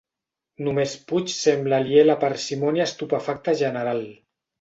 Només Puig sembla aliè a la parsimònia estupefacta general.